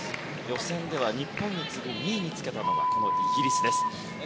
予選では日本に次ぐ２位につけたのがイギリスです。